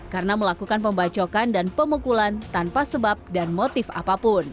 karena melakukan pembacokan dan pemukulan tanpa sebab dan motif apapun